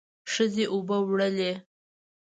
ښځې اوبه وړلې.